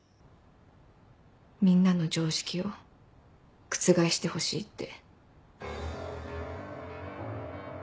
みんなの常識を覆してほしいって。